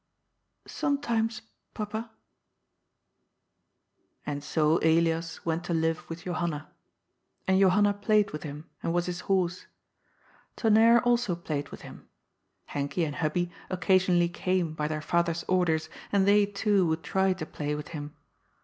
« Sometimes, papa." And so Elias went to live with Johanna. And Johanna played with him, and was his horse. Tonnerre also played with him. Henkie and Hubbie occasionally came, by their father's orders, and they, too, would try to play with him.